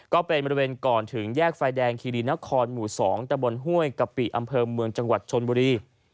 ก็เป็นบริเวณก่อนถึงแยกไฟแดงคีรีนครหมู่๒ตะบนห้วยกะปิอำเภอเมืองจังหวัดชนบุรี